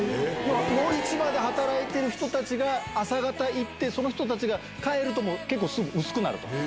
魚市場で働いてる人たちが朝方行ってその人たちが帰ると薄くなる。